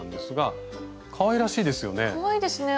かわいらしいですよね。